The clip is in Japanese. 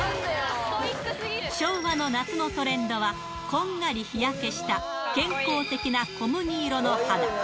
昭和の夏のトレンドは、こんがり日焼けした、健康的な小麦色の肌。